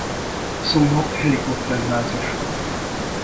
Szolnok Helikopter Bázis.